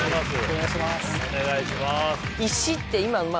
お願いします